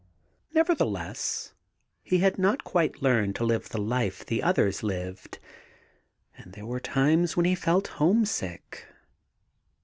Nevertheless, he had not quite learned to live the life the others lived, and there were times when he 16 THE GARDEN GOD felt homesick.